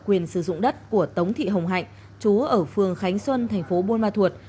quyền sử dụng đất của tống thị hồng hạnh chú ở phường khánh xuân tp bung ma thuật